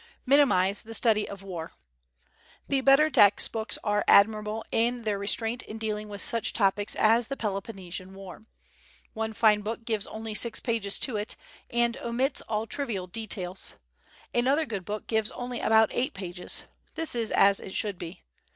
Minimize the Study of War. The better text books are admirable in their restraint in dealing with such topics as the Peloponnesian War. One fine book gives only six pages to it, and omits all trivial details. Another good book gives only about eight pages. This is as it should be.